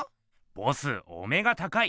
ボスお目が高い！